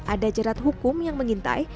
ada jerat hukum yang mengintai